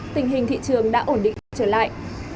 tình hình thị trường đã ổn định trở lại